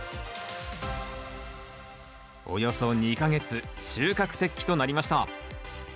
およそ２か月収穫適期となりました